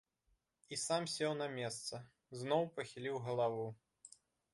І сам сеў на месца, зноў пахіліў галаву.